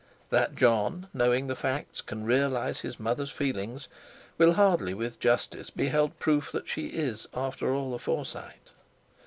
That Jon, knowing the facts, can realise his mother's feelings, will hardly with justice be held proof that she is, after all, a Forsyte.